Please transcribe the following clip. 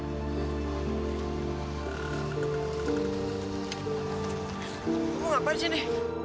kamu ngapain disini